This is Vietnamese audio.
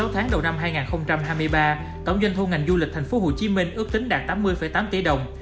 sáu tháng đầu năm hai nghìn hai mươi ba tổng doanh thu ngành du lịch tp hcm ước tính đạt tám mươi tám tỷ đồng